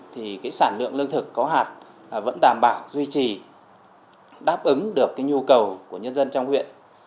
thì sản lượng lương thực có hạt vẫn đảm bảo duy trì đáp ứng được cái nhu cầu của nhân dân trong huyện